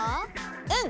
うん。